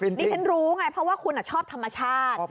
นี่ฉันรู้ไงเพราะว่าคุณชอบธรรมชาติ